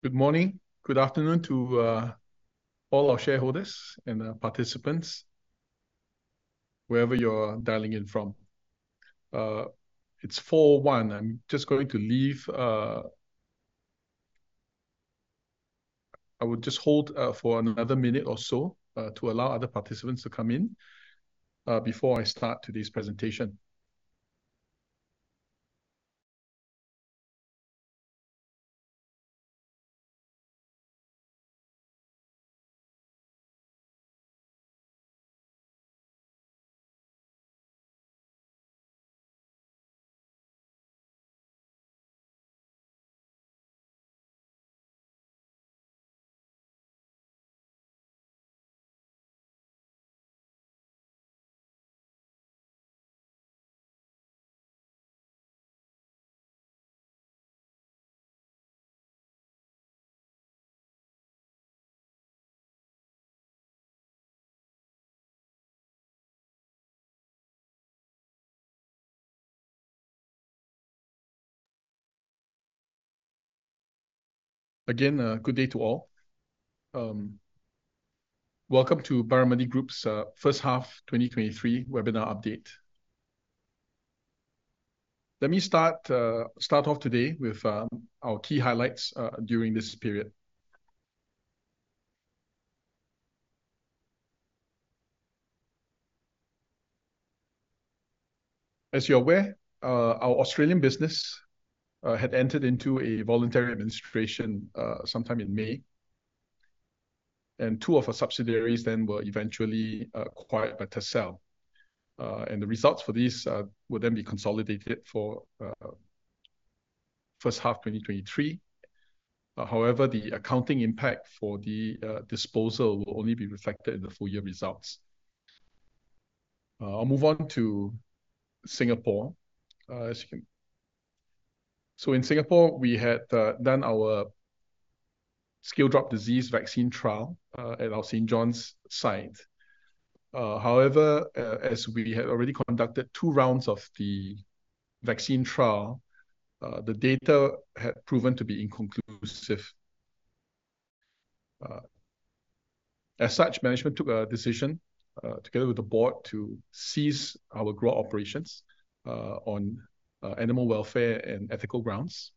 Good morning, good afternoon to all our shareholders and participants, wherever you're dialing in from. It's 4:01. I'm just going to leave, I would just hold for another minute or so to allow other participants to come in before I start today's presentation. Again, good day to all. Welcome to Barramundi Group's first half 2023 webinar update. Let me start off today with our key highlights during this period. As you're aware, our Australian business had entered into a voluntary administration sometime in May, and two of our subsidiaries then were eventually acquired by Tassal. The results for this will then be consolidated for first half 2023. However, the accounting impact for the disposal will only be reflected in the full year results. I'll move on to Singapore. So in Singapore, we had done our scale drop disease vaccine trial at our St. John's site. However, as we had already conducted two rounds of the vaccine trial, the data had proven to be inconclusive. As such, management took a decision together with the board to cease our grow operations on animal welfare and ethical grounds.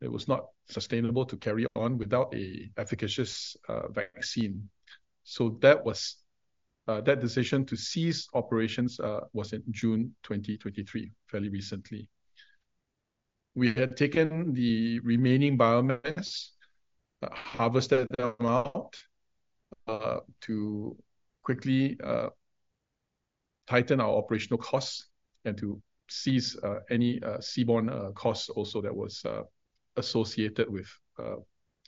It was not sustainable to carry on without a efficacious vaccine. So that was that decision to cease operations was in June 2023, fairly recently. We had taken the remaining biomass, harvested the amount to quickly tighten our operational costs and to cease any seaborne costs also that was associated with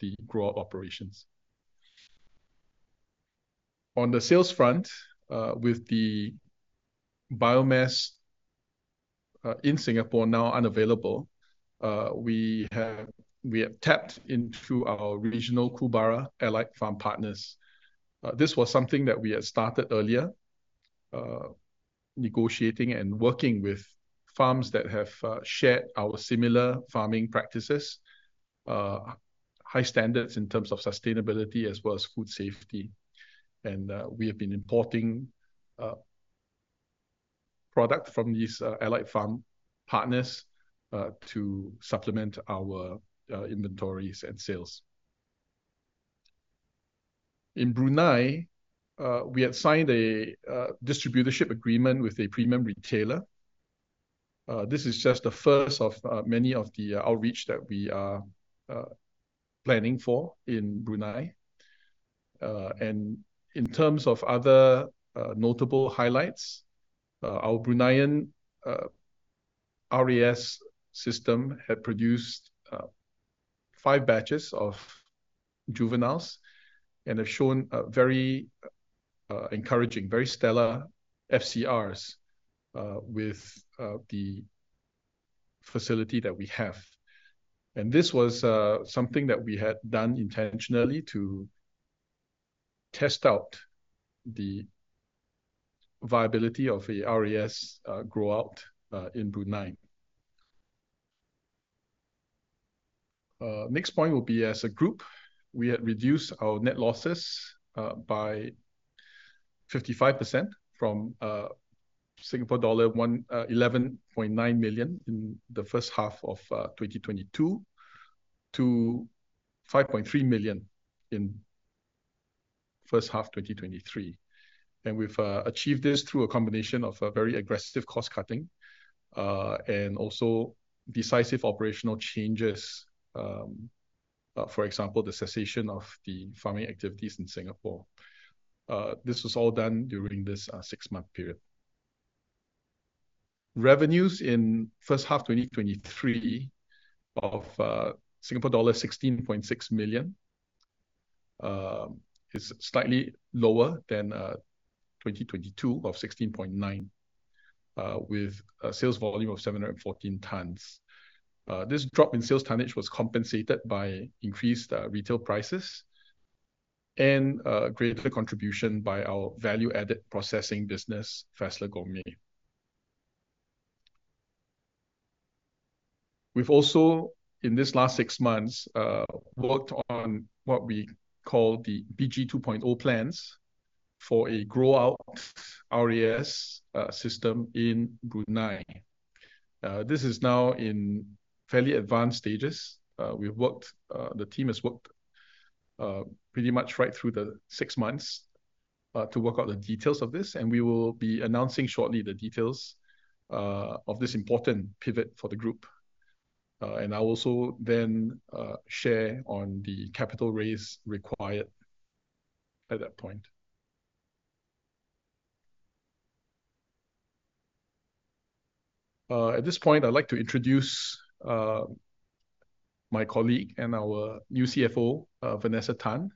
the grow operations. On the sales front, with the biomass in Singapore now unavailable, we have, we have tapped into our regional Kühlbarra allied farm partners. This was something that we had started earlier, negotiating and working with farms that have shared our similar farming practices, high standards in terms of sustainability as well as food safety. We have been importing product from these allied farm partners to supplement our inventories and sales. In Brunei, we had signed a distributorship agreement with a premium retailer. This is just the first of many of the outreach that we are planning for in Brunei. In terms of other notable highlights, our Bruneian RAS system had produced 5 batches of juveniles and have shown a very encouraging, very stellar FCRs with the facility that we have. This was something that we had done intentionally to test out the viability of a RAS grow out in Brunei. Next point will be, as a group, we had reduced our net losses by 55% from Singapore dollar 11.9 million in the first half of 2022 to 5.3 million in first half 2023. We've achieved this through a combination of a very aggressive cost cutting and also decisive operational changes. For example, the cessation of the farming activities in Singapore. This was all done during this six-month period. Revenues in first half 2023 of Singapore dollar 16.6 million is slightly lower than 2022 of 16.9 million with a sales volume of 714 tons. This drop in sales tonnage was compensated by increased retail prices and greater contribution by our value-added processing business, Fassler Gourmet. We've also, in this last six months, worked on what we call the BG 2.0 plans for a grow out RAS system in Brunei. This is now in fairly advanced stages. We've worked, the team has worked, pretty much right through the six months to work out the details of this, and we will be announcing shortly the details of this important pivot for the group. I will also then share on the capital raise required at that point. At this point, I'd like to introduce my colleague and our new CFO, Vanessa Tan,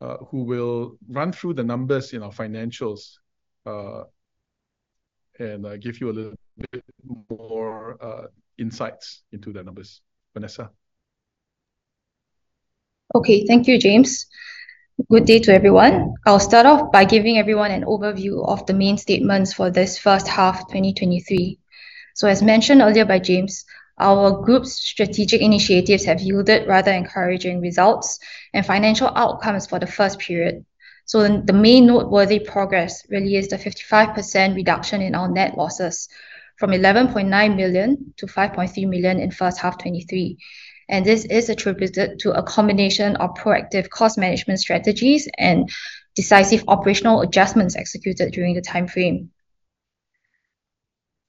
who will run through the numbers in our financials, and give you a little bit more insights into the numbers. Vanessa? Okay. Thank you, James. Good day to everyone. I'll start off by giving everyone an overview of the main statements for this first half 2023. As mentioned earlier by James, our group's strategic initiatives have yielded rather encouraging results and financial outcomes for the first period. The main noteworthy progress really is the 55% reduction in our net losses, from 11.9 million to 5.3 million in first half 2023. This is attributed to a combination of proactive cost management strategies and decisive operational adjustments executed during the timeframe.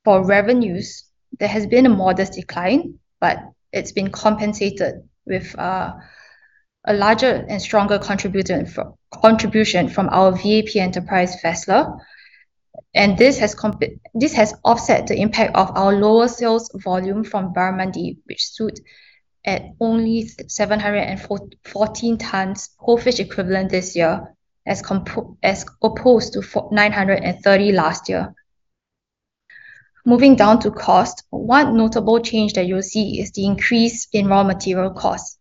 For revenues, there has been a modest decline, but it's been compensated with a larger and stronger contributor from—contribution from our VAP enterprise, Fassler. This has offset the impact of our lower sales volume from Barramundi, which stood at only 714 tons whole fish equivalent this year, as opposed to 930 last year. Moving down to cost, one notable change that you'll see is the increase in raw material costs,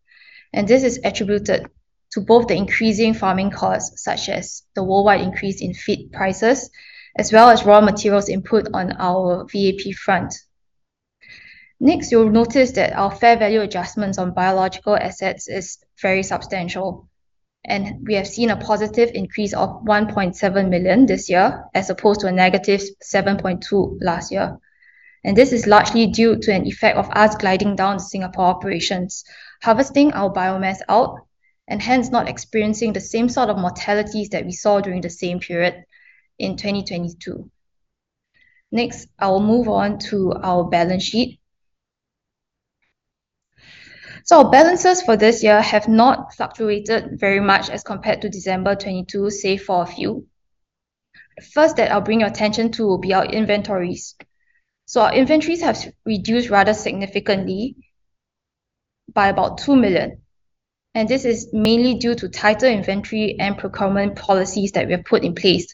and this is attributed to both the increasing farming costs, such as the worldwide increase in feed prices, as well as raw materials input on our VAP front. Next, you'll notice that our fair value adjustments on biological assets is very substantial, and we have seen a positive increase of 1.7 million this year, as opposed to a negative 7.2 million last year. This is largely due to an effect of us gliding down Singapore operations, harvesting our biomass out, and hence not experiencing the same sort of mortalities that we saw during the same period in 2022. Next, I will move on to our balance sheet. Our balances for this year have not fluctuated very much as compared to December 2022, save for a few. First, that I'll bring your attention to will be our inventories. Our inventories have reduced rather significantly by about 2 million, and this is mainly due to tighter inventory and procurement policies that we have put in place.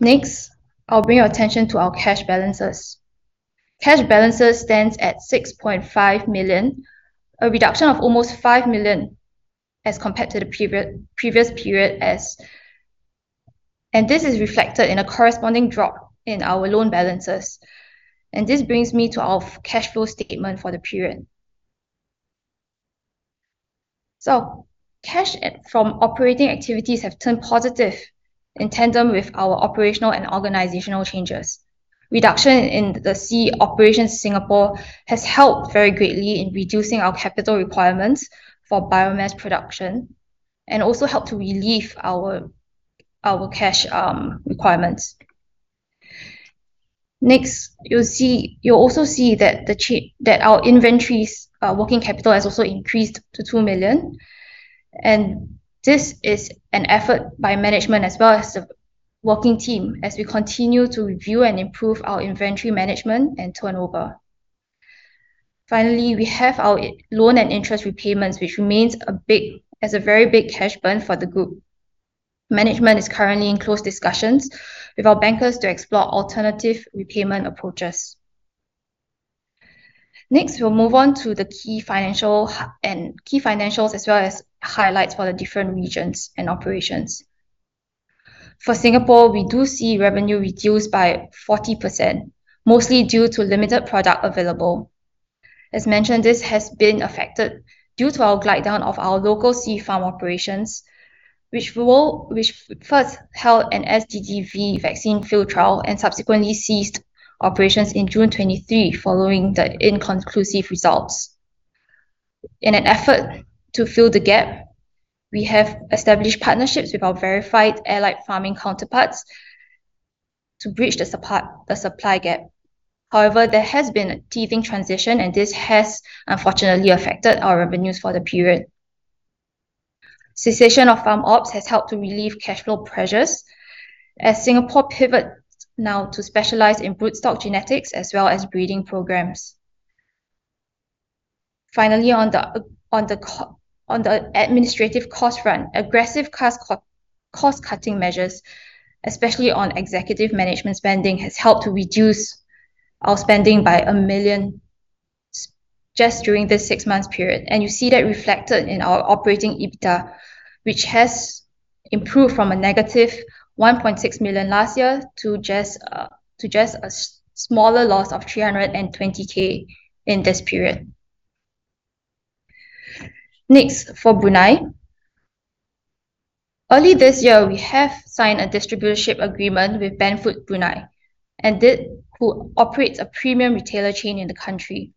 Next, I'll bring your attention to our cash balances. Cash balances stands at 6.5 million, a reduction of almost 5 million as compared to the previous period's. And this is reflected in a corresponding drop in our loan balances. This brings me to our cash flow statement for the period. So cash from operating activities have turned positive in tandem with our operational and organizational changes. Reduction in the sea operations Singapore has helped very greatly in reducing our capital requirements for biomass production, and also helped to relieve our cash requirements. Next, you'll also see that our inventories working capital has also increased to 2 million, and this is an effort by management as well as the working team as we continue to review and improve our inventory management and turnover. Finally, we have our loan and interest repayments, which remains a big, as a very big cash burn for the group. Management is currently in close discussions with our bankers to explore alternative repayment approaches. Next, we'll move on to the key financial and key financials, as well as highlights for the different regions and operations. For Singapore, we do see revenue reduced by 40%, mostly due to limited product available. As mentioned, this has been affected due to our glide down of our local sea farm operations, which first held an SDDV vaccine field trial and subsequently ceased operations in June 2023, following the inconclusive results. In an effort to fill the gap, we have established partnerships with our verified aquaculture farming counterparts to bridge the supply gap. However, there has been a teething transition, and this has unfortunately affected our revenues for the period. Cessation of farm ops has helped to relieve cash flow pressures as Singapore pivots now to specialize in broodstock genetics as well as breeding programs. Finally, on the administrative cost front, aggressive cost-cutting measures, especially on executive management spending, has helped to reduce our spending by 1 million just during this six months period, and you see that reflected in our operating EBITDA, which has improved from a negative 1.6 million last year to just a smaller loss of 320,000 in this period. Next, for Brunei. Early this year, we have signed a distributorship agreement with Ben Foods Brunei, who operates a premium retailer chain in the country.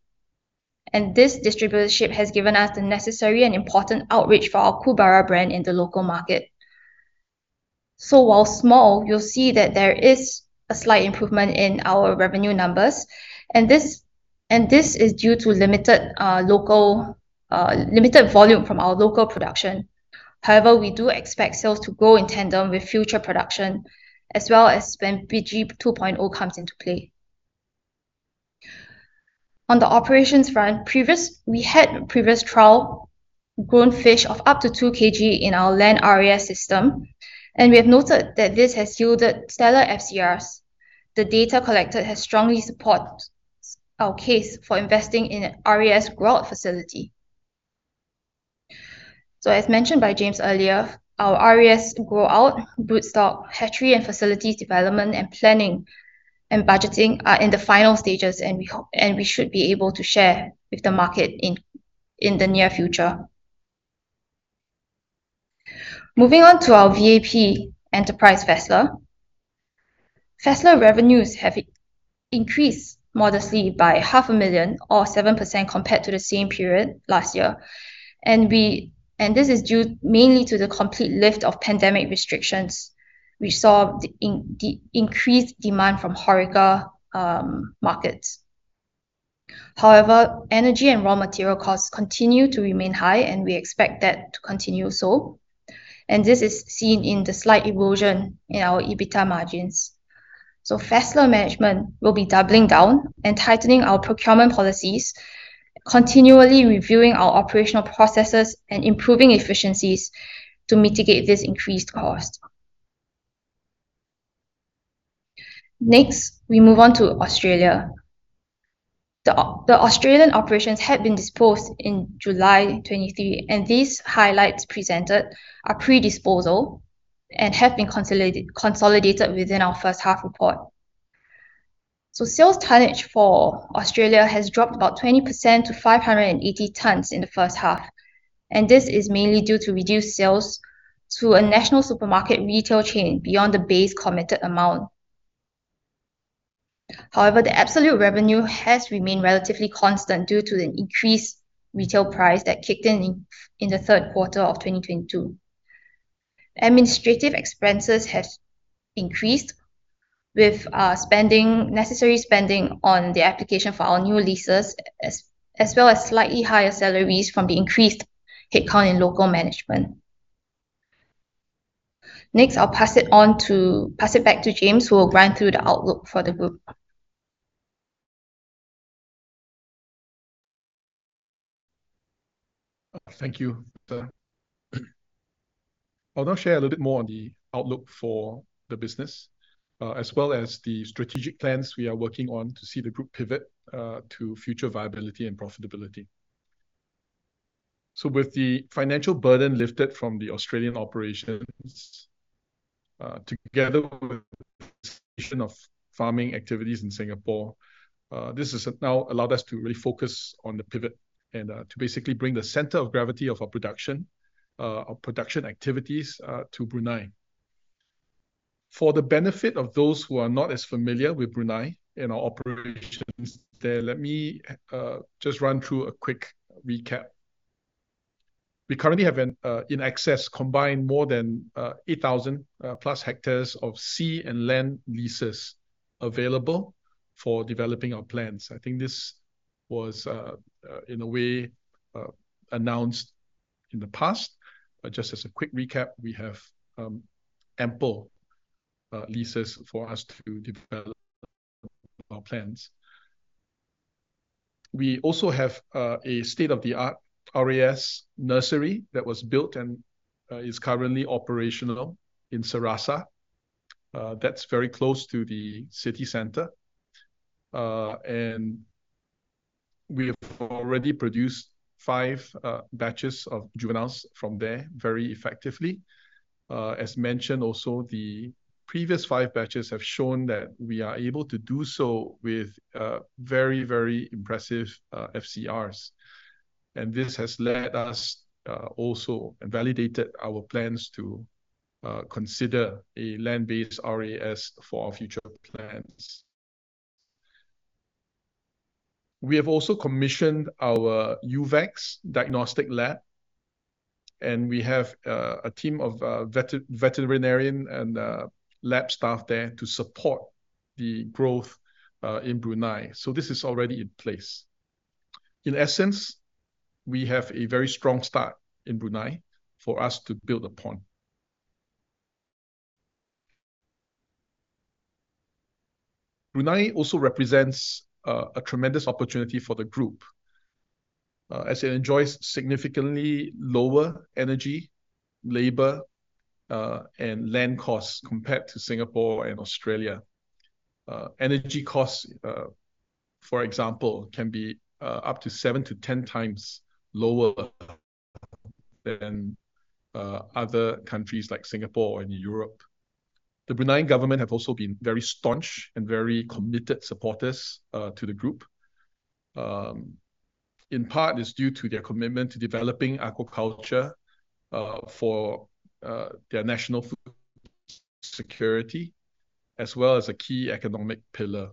And this distributorship has given us the necessary and important outreach for our Kühlbarra brand in the local market. So while small, you'll see that there is a slight improvement in our revenue numbers, and this, and this is due to limited local limited volume from our local production. However, we do expect sales to grow in tandem with future production, as well as when BG 2.0 comes into play. On the operations front, we had previous trial grown fish of up to 2 kg in our land RAS system, and we have noted that this has yielded stellar FCRs. The data collected has strongly support our case for investing in an RAS growth facility. So as mentioned by James earlier, our RAS grow out broodstock, hatchery, and facilities development, and planning, and budgeting are in the final stages, and we should be able to share with the market in the near future. Moving on to our VAP enterprise, Fassler. Fassler revenues have increased modestly by 0.5 million or 7% compared to the same period last year. And this is due mainly to the complete lift of pandemic restrictions. We saw the increased demand from HoReCa markets. However, energy and raw material costs continue to remain high, and we expect that to continue so, and this is seen in the slight erosion in our EBITDA margins. So Fassler management will be doubling down and tightening our procurement policies, continually reviewing our operational processes, and improving efficiencies to mitigate this increased cost. Next, we move on to Australia. The Australian operations had been disposed in July 2023, and these highlights presented are pre-disposal and have been consolidated within our first half report. So sales tonnage for Australia has dropped about 20% to 580 tons in the first half, and this is mainly due to reduced sales to a national supermarket retail chain beyond the base committed amount. However, the absolute revenue has remained relatively constant due to the increased retail price that kicked in in the third quarter of 2022. Administrative expenses have increased with necessary spending on the application for our new leases, as well as slightly higher salaries from the increased headcount in local management. Next, I'll pass it back to James, who will run through the outlook for the group. Thank you, Victor. I'll now share a little bit more on the outlook for the business, as well as the strategic plans we are working on to see the group pivot, to future viability and profitability. So with the financial burden lifted from the Australian operations, together with cessation of farming activities in Singapore, this has now allowed us to really focus on the pivot and, to basically bring the center of gravity of our production, our production activities, to Brunei. For the benefit of those who are not as familiar with Brunei and our operations there, let me just run through a quick recap. We currently have in excess combined more than 8,000+ hectares of sea and land leases available for developing our plans. I think this was in a way announced in the past, but just as a quick recap, we have ample leases for us to develop our plans. We also have a state-of-the-art RAS nursery that was built and is currently operational in Serasa. That's very close to the city center, and we have already produced five batches of juveniles from there very effectively. As mentioned, also, the previous five batches have shown that we are able to do so with very, very impressive FCRs, and this has led us also and validated our plans to consider a land-based RAS for our future plans. We have also commissioned our UVAXX diagnostic lab, and we have a team of veterinarian and lab staff there to support the growth in Brunei. So this is already in place. In essence, we have a very strong start in Brunei for us to build upon. Brunei also represents a tremendous opportunity for the group as it enjoys significantly lower energy, labor, and land costs compared to Singapore and Australia. Energy costs, for example, can be up to 7-10 times lower than other countries like Singapore and Europe. The Bruneian government have also been very staunch and very committed supporters to the group. In part, it's due to their commitment to developing aquaculture for their national food security, as well as a key economic pillar.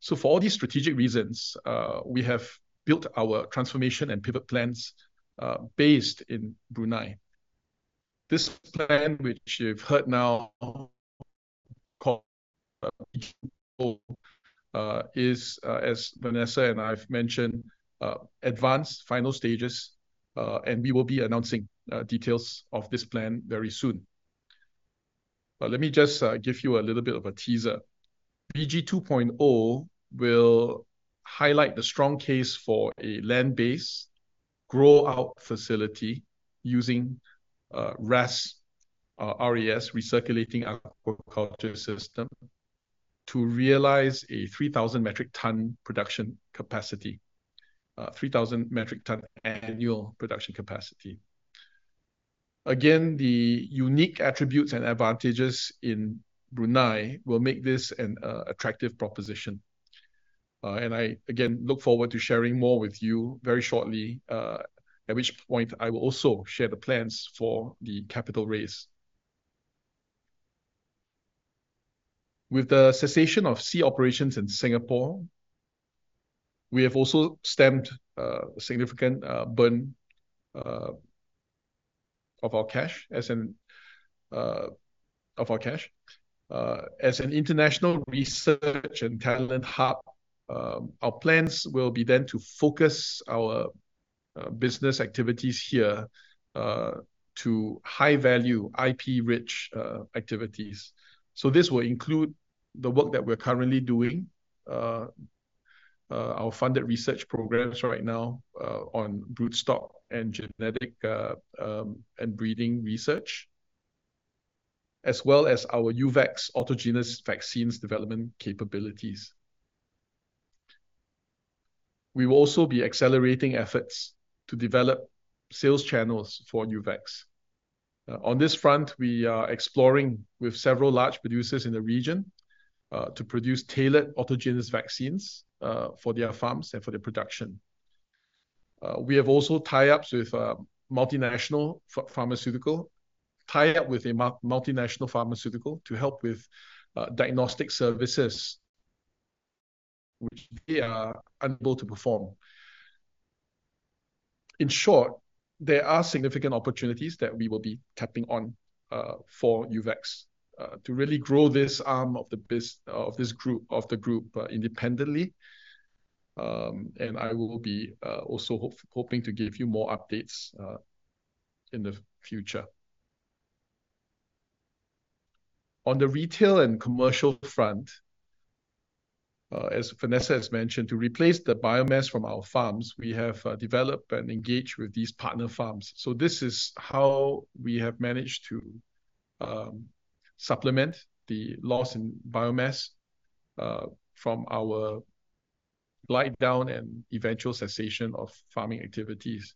So for all these strategic reasons, we have built our transformation and pivot plans based in Brunei. This plan, which you've heard now called, is, as Vanessa and I've mentioned, advanced final stages, and we will be announcing details of this plan very soon. But let me just give you a little bit of a teaser. BG 2.0 will highlight the strong case for a land-based grow-out facility using RAS, Recirculating Aquaculture System, to realize a 3,000 metric ton production capacity, 3,000 metric ton annual production capacity. Again, the unique attributes and advantages in Brunei will make this an attractive proposition. And I again look forward to sharing more with you very shortly, at which point I will also share the plans for the capital raise. With the cessation of sea operations in Singapore, we have also stemmed significant burn of our cash as an international research and talent hub, our plans will be then to focus our business activities here to high-value, IP-rich activities. So this will include the work that we're currently doing our funded research programs right now on broodstock and genetic and breeding research, as well as our UVAXX autogenous vaccines development capabilities. We will also be accelerating efforts to develop sales channels for UVAXX. On this front, we are exploring with several large producers in the region to produce tailored autogenous vaccines for their farms and for their production. We have also tie-ups with multinational pharmaceutical, tie-up with a multinational pharmaceutical to help with diagnostic services which they are unable to perform. In short, there are significant opportunities that we will be tapping on for UVAXX to really grow this arm of the business of this group, of the group independently. And I will be also hoping to give you more updates in the future. On the retail and commercial front, as Vanessa has mentioned, to replace the biomass from our farms, we have developed and engaged with these partner farms. So this is how we have managed to supplement the loss in biomass from our wind down and eventual cessation of farming activities.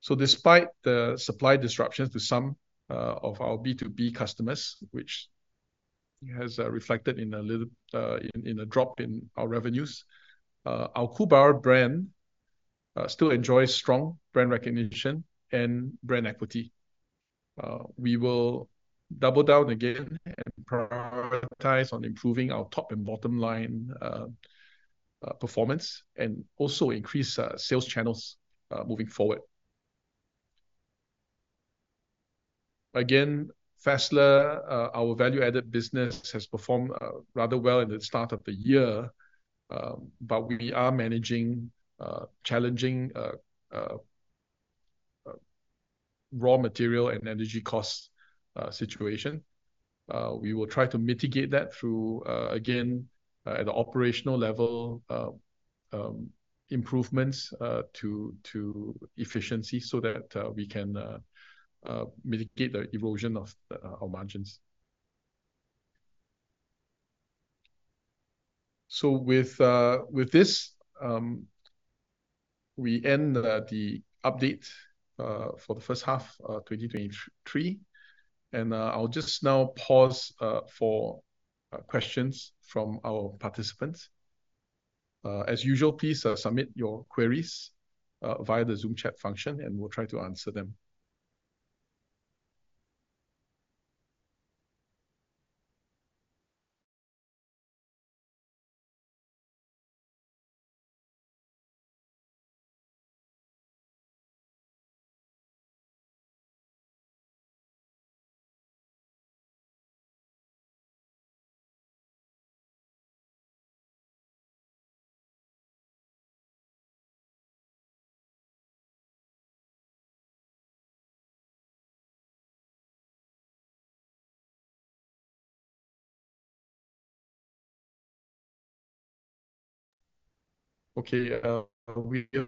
So despite the supply disruptions to some of our B2B customers, which has reflected in a little drop in our revenues, our Kühlbarra brand still enjoys strong brand recognition and brand equity. We will double down again and prioritize on improving our top and bottom line performance, and also increase sales channels moving forward. Again, Fassler, our value-added business, has performed rather well in the start of the year, but we are managing challenging raw material and energy costs situation. We will try to mitigate that through again at the operational level improvements to efficiency so that we can mitigate the erosion of our margins. So with this, we end the update for the first half 2023, and I'll just now pause for questions from our participants. As usual, please submit your queries via the Zoom chat function, and we'll try to answer them.... Okay, we have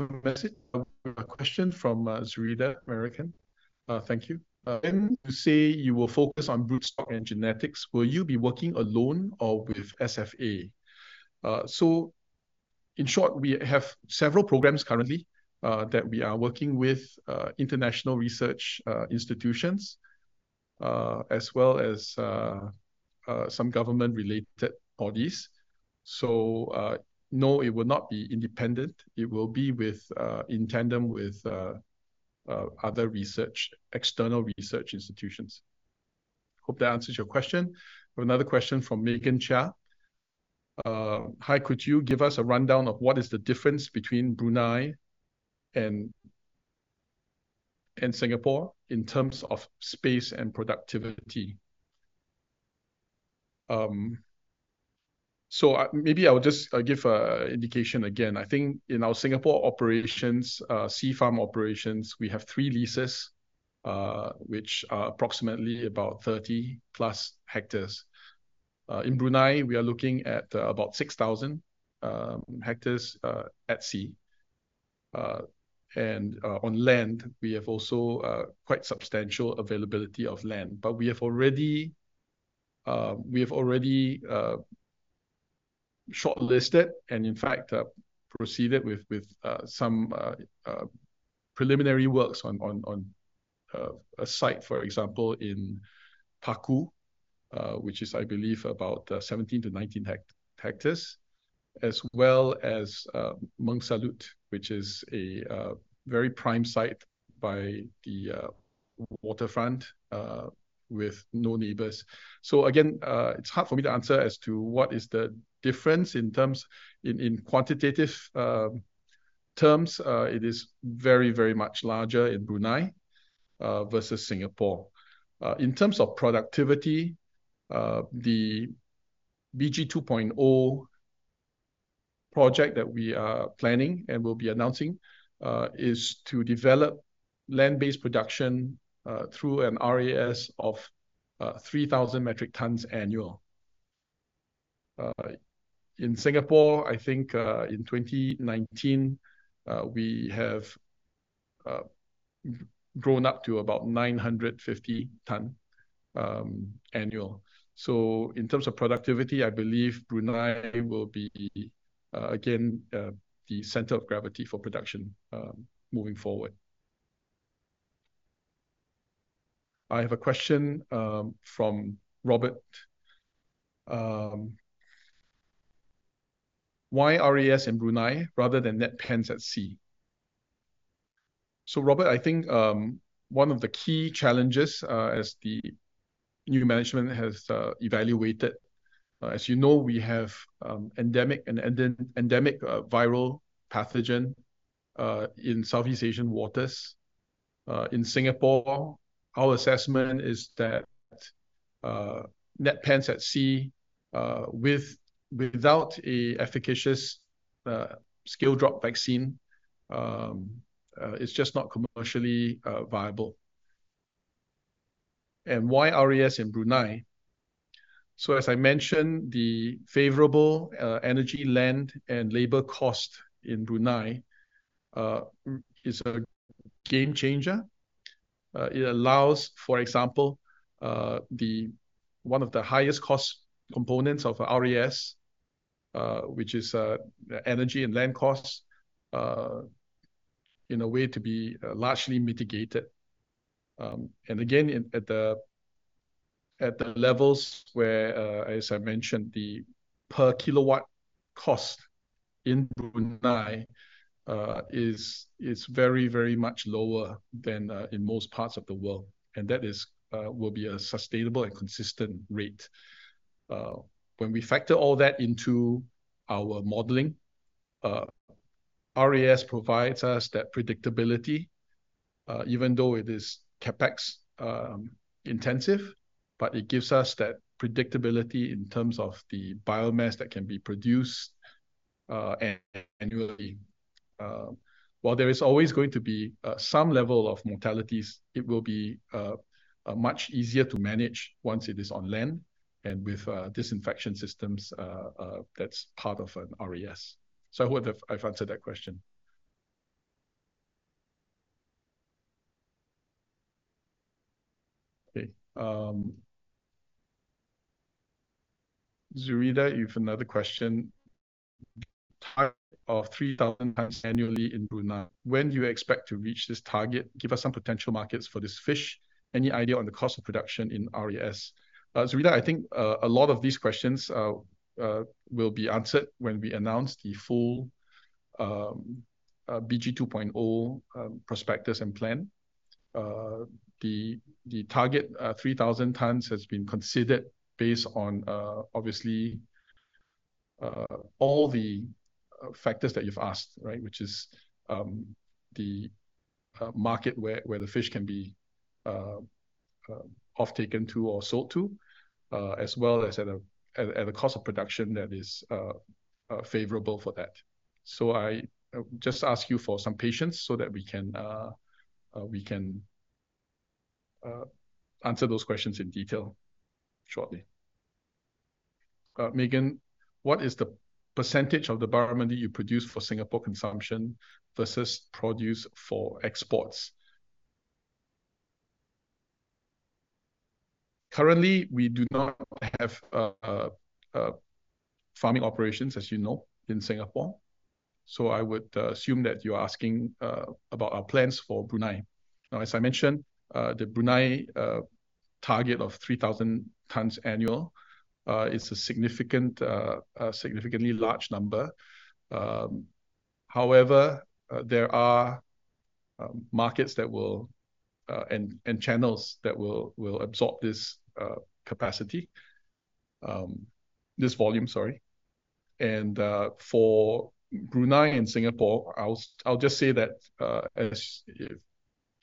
a message, a question from Zuraidah Merican. Thank you. When you say you will focus on broodstock and genetics, will you be working alone or with SFA? So in short, we have several programs currently that we are working with international research institutions as well as some government-related bodies. So, no, it will not be independent. It will be with, in tandem with, other research—external research institutions. Hope that answers your question. Another question from Megan Chia. Hi, could you give us a rundown of what is the difference between Brunei and Singapore in terms of space and productivity? So, maybe I'll just give an indication again. I think in our Singapore operations, sea farm operations, we have three leases, which are approximately about 30+ hectares. In Brunei, we are looking at about 6,000 hectares at sea. And on land, we have also quite substantial availability of land. But we have already shortlisted and in fact proceeded with some preliminary works on a site, for example, in Paku, which is, I believe, about 17-19 hectares, as well as Muara Salut, which is a very prime site by the waterfront with no neighbors. So again, it's hard for me to answer as to what is the difference in terms in quantitative terms. It is very, very much larger in Brunei versus Singapore. In terms of productivity, the BG 2.0 project that we are planning and will be announcing is to develop land-based production through an RAS of 3,000 metric tons annual. In Singapore, I think, in 2019, we have grown up to about 950 ton annual. So in terms of productivity, I believe Brunei will be again the center of gravity for production moving forward. I have a question from Robert. Why RAS in Brunei rather than net pens at sea? So, Robert, I think one of the key challenges as the new management has evaluated, as you know, we have endemic viral pathogen in Southeast Asian waters. In Singapore, our assessment is that net pens at sea without an efficacious scale drop vaccine is just not commercially viable. And why RAS in Brunei? So as I mentioned, the favorable energy, land, and labor cost in Brunei is a game changer. It allows, for example, one of the highest cost components of RAS, which is energy and land costs, in a way to be largely mitigated. And again, at the levels where, as I mentioned, the per kilowatt cost in Brunei is very, very much lower than in most parts of the world, and that will be a sustainable and consistent rate. When we factor all that into our modeling, RAS provides us that predictability even though it is CapEx intensive, but it gives us that predictability in terms of the biomass that can be produced annually. While there is always going to be some level of mortalities, it will be much easier to manage once it is on land and with disinfection systems, that's part of an RAS. So I hope I've answered that question. Okay, Zorida, you've another question. Target of 3,000 tons annually in Brunei. When do you expect to reach this target? Give us some potential markets for this fish. Any idea on the cost of production in RAS? Zorida, I think a lot of these questions will be answered when we announce the full BG 2.0 prospectus and plan. The target 3,000 tons has been considered based on obviously all the factors that you've asked, right? Which is, the market where, where the fish can be, off taken to or sold to, as well as at a, at, at a cost of production that is, favorable for that. So I just ask you for some patience so that we can answer those questions in detail shortly. Megan: What is the percentage of the barramundi you produce for Singapore consumption versus produce for exports? Currently, we do not have farming operations, as you know, in Singapore, so I would assume that you're asking about our plans for Brunei. Now, as I mentioned, the Brunei target of 3,000 tons annual is a significant, a significantly large number. However, there are markets that will and channels that will absorb this capacity, this volume, sorry. For Brunei and Singapore, I'll just say that, as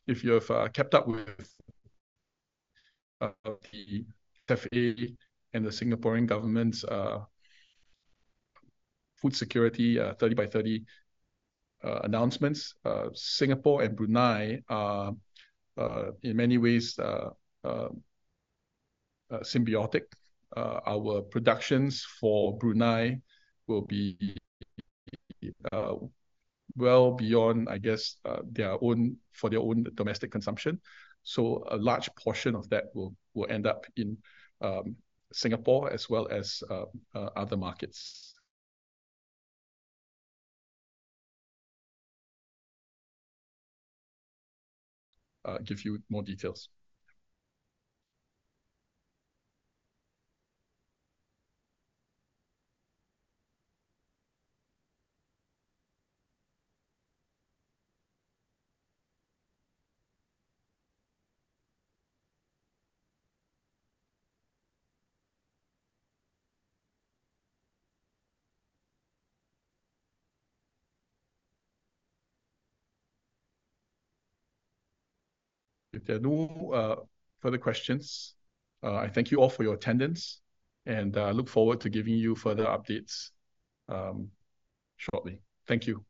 if you have kept up with the SFA and the Singaporean government's food security Thirty by Thirty announcements, Singapore and Brunei are in many ways symbiotic. Our productions for Brunei will be well beyond, I guess, their own for their own domestic consumption. A large portion of that will end up in Singapore as well as other markets. Give you more details. If there are no further questions, I thank you all for your attendance, and I look forward to giving you further updates shortly. Thank you.